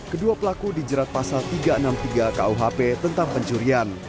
kedua pelaku dijerat pasal tiga ratus enam puluh tiga kuhp tentang pencurian